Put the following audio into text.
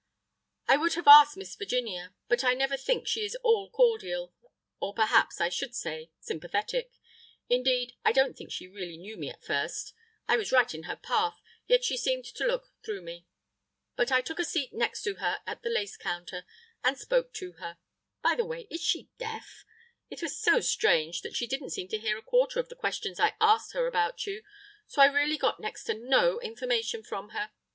"I would have asked Miss Virginia, but I never think she is at all cordial, or perhaps I should say—sympathetic. Indeed, I don't think she really knew me at first. I was right in her path, yet she seemed to look through me! But I took a seat next to her at the lace counter, and spoke to her. By the way, is she deaf? It was so strange that she didn't seem to hear a quarter of the questions I asked her about you, so I really got next to no information from her.